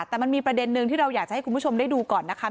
แต่มันมีประเด็นนึงที่เราอยากจะให้คุณผู้ชมได้ดูก่อนนะคะ